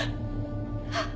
あっ！